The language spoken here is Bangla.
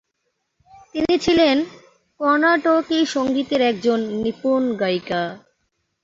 তিনি ছিলেন কর্ণাটকী সংগীতের একজন নিপুণ গায়িকা।